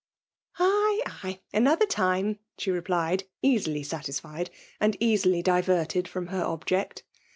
'' Ay, ay ! another time !" she replied, easily satisfied, and easily diverted from her object.